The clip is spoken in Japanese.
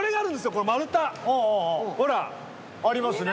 この丸太ほらありますね